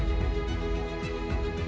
saya merasa terlalu baik